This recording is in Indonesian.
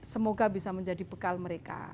semoga bisa menjadi bekal mereka